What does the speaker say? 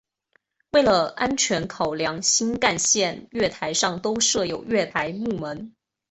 为了安全考量新干线月台上都设有月台幕门。